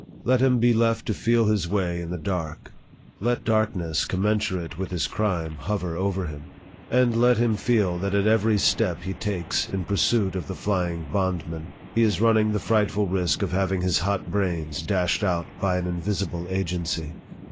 Let him be left to feel his way in the dark ; let darkness commensurate with his crime hover over him ; and let him feel that at every step he 102 NARRATIVE OF THE takes, in pursuit of the flying bondman, he is running the frightful risk of having his hot brains dashed out by an invisible agency.